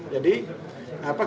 jadi apa kita harus